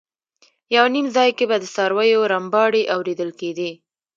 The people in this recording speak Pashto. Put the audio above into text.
یو نیم ځای کې به د څارویو رمباړې اورېدل کېدې.